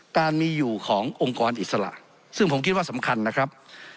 การมีอยู่ขององค์กรอิสระซึ่งผมคิดว่าสำคัญนะครับ